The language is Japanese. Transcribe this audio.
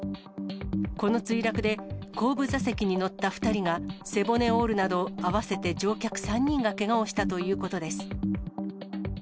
この墜落で、後部座席に乗った２人が背骨を折るなど、合わせて乗客３人がけがをしたということです。